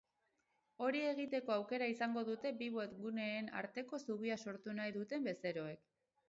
Hori egiteko aukera izango dute bi webguneen arteko zubia sortu nahi duten bezeroek.